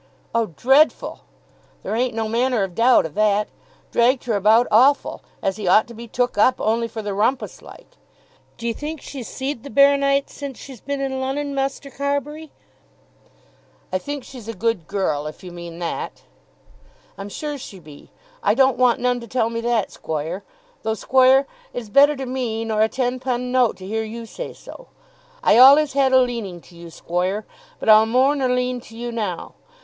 "Oh, dreadful; there ain't no manner of doubt o' that. Dragged her about awful; as he ought to be took up, only for the rumpus like. D'ye think she's see'd the Baro nite since she's been in Lon'on, Muster Carbury?" "I think she's a good girl, if you mean that." "I'm sure she be. I don't want none to tell me that, squoire. Tho', squoire, it's better to me nor a ten pun' note to hear you say so. I allays had a leaning to you, squoire; but I'll more nor lean to you, now.